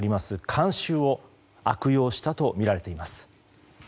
慣習を悪用したとみられています。